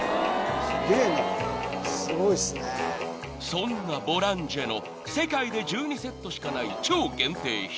［そんなボランジェの世界で１２セットしかない超限定品］